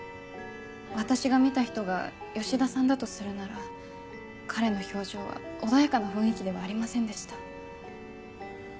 私が見た人が吉田さんだとするなら彼の表情は穏やかな雰囲気ではありませんでした。